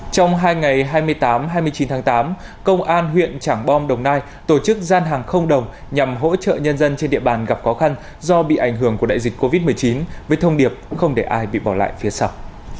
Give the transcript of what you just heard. trong hai ngày hai mươi tám hai mươi chín tháng tám công an huyện trảng bom đồng nai tổ chức gian hàng không đồng nhằm hỗ trợ nhân dân trên địa bàn gặp khó khăn do bị ảnh hưởng của đại dịch covid một mươi chín với thông điệp không để ai bị bỏ lại phía sau